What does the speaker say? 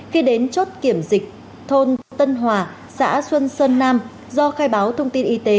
khi đến chốt kiểm dịch thôn tân hòa xã xuân sơn nam do khai báo thông tin y tế